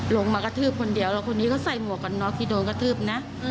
ลงมากระทืบคนเดียวแล้วคนนี้ก็ใส่หมวกกันน็อกที่โดนกระทืบนะ